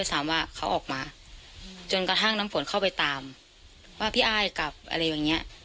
แล้วก็สนุกไปเลยอะไรอย่างเงี้ย